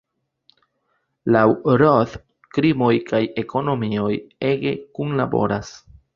Laŭ Roth krimoj kaj ekonomio ege kunlaboras.